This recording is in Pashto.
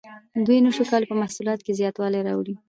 دوی نشو کولی په محصولاتو کې زیاتوالی راولي.